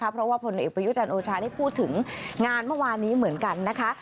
เพราะว่าผลเอกประยุจันทร์โอชานี่พูดถึงงานเมื่อวานนี้เหมือนกันนะคะ